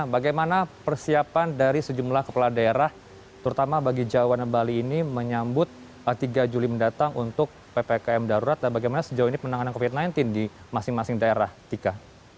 bagaimana persiapan dari sejumlah kepala daerah terutama bagi jawa dan bali ini menyambut tiga juli mendatang untuk ppkm darurat dan bagaimana sejauh ini penanganan covid sembilan belas di masing masing daerah tika